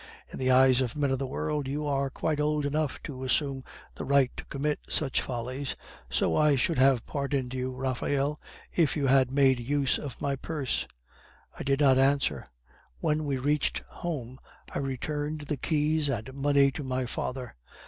In the eyes of men of the world you are quite old enough to assume the right to commit such follies. So I should have pardoned you, Raphael, if you had made use of my purse.....' "I did not answer. When we reached home, I returned the keys and money to my father.